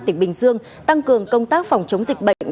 tỉnh bình dương tăng cường công tác phòng chống dịch bệnh